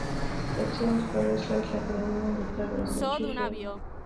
This tilt varies slightly, a phenomenon described as nutation.